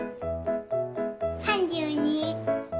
３２。